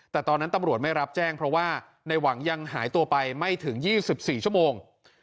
แต่ตอนนั้นตำรวจไม่รับแจ้งเพราะว่าในหวังยังหายตัวไปไม่ถึง๒๔ชั่วโมง